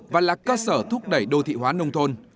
và là cơ sở thúc đẩy đô thị hóa nông thôn